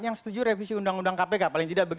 yang setuju revisi undang undang kpk paling tidak